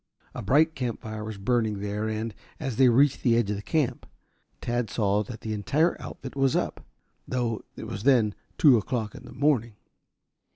A bright campfire was burning there and, as they reached the edge of the camp, Tad saw that the entire outfit was up, though it was then two o'clock in the morning.